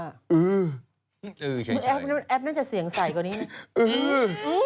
แอฟนั้นจะเสี่ยงใส่กว่านี้